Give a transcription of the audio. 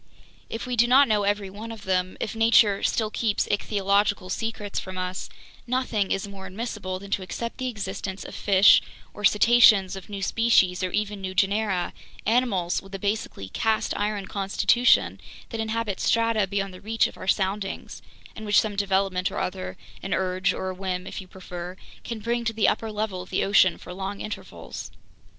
"If we do not know every one of them, if nature still keeps ichthyological secrets from us, nothing is more admissible than to accept the existence of fish or cetaceans of new species or even new genera, animals with a basically 'cast iron' constitution that inhabit strata beyond the reach of our soundings, and which some development or other, an urge or a whim if you prefer, can bring to the upper level of the ocean for long intervals.